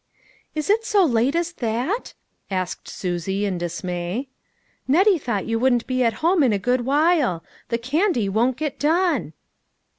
" Is it so late as that ?" asked Susie in dis may. "Nettie thought you wouldn't be at home in a good while; the candy won't get done."